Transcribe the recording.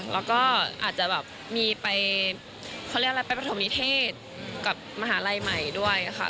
แล้วก็อาจจะแบบมีไปเขาเรียกอะไรไปประถมนิเทศกับมหาลัยใหม่ด้วยค่ะ